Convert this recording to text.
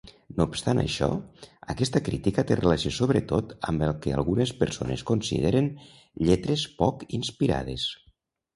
No obstant això, aquesta crítica té relació sobretot amb el que algunes persones consideren "lletres poc inspirades".